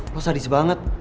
lo sadis banget